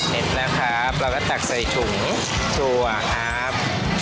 เสร็จแล้วครับเราก็ตักใส่ถุงถั่วครับ